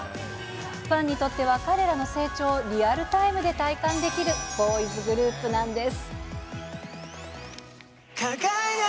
ファンにとっては、彼らの成長をリアルタイムで体感できるボーイズグループなんです。